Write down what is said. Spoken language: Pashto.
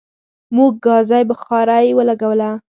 موږ ګازی بخاری ولګوله